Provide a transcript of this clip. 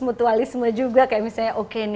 mutualisme juga kayak misalnya